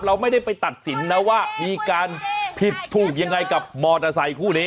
เราไม่ได้ไปตัดสินนะว่ามีการผิดถูกยังไงกับมอเตอร์ไซคู่นี้